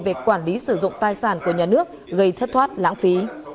về quản lý sử dụng tài sản của nhà nước gây thất thoát lãng phí